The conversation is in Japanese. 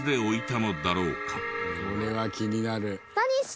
これは気になる。